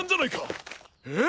えっ？